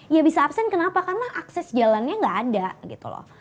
ya bisa absen kenapa karena akses jalannya nggak ada gitu loh